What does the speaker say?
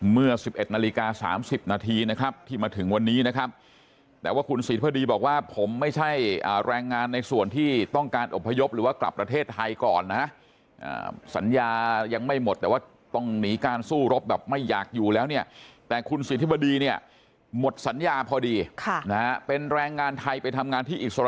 เมื่อ๑๑นาฬิกา๓๐นาทีนะครับที่มาถึงวันนี้นะครับแต่ว่าคุณศรีพดีบอกว่าผมไม่ใช่แรงงานในส่วนที่ต้องการอบพยพหรือว่ากลับประเทศไทยก่อนนะสัญญายังไม่หมดแต่ว่าต้องหนีการสู้รบแบบไม่อยากอยู่แล้วเนี่ยแต่คุณสิทธิบดีเนี่ยหมดสัญญาพอดีเป็นแรงงานไทยไปทำงานที่อิสระ